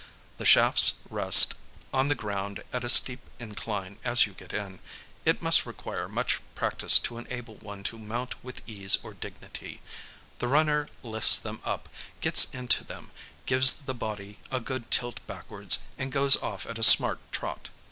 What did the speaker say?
The shafts rest on the ground at a steep incline as you get in—it must require much practice to enable one to mount with ease or dignity—the runner lifts them up, gets into them, gives the body a good tilt backwards, and goes off at a smart trot.